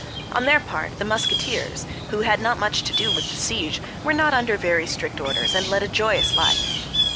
On their part the Musketeers, who had not much to do with the siege, were not under very strict orders and led a joyous life.